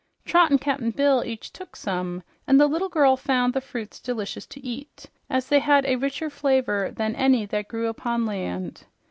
Trot and Cap'n Bill each took some, and the little girl found the fruits delicious to eat, as they had a richer flavor than any that grew upon land.